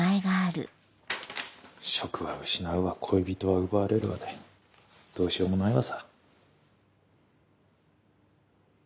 職は失うわ恋人は奪われるわでどうしようもないわさ。